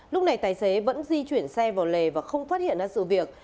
lúc này tài xế vẫn di chuyển xe vào lề và không phát hiện ra sự việc